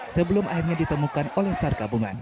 sebelum akhirnya ditemukan oleh sar gabungan